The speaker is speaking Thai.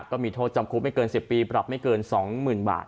ก็มีโทษจำคุมไม่เกินสิบปีปรับไม่เกินสองหมื่นบาท